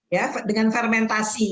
ya dengan fermentasi